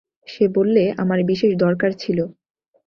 সে বললে, আমার বিশেষ দরকার ছিল।